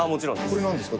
これなんですか？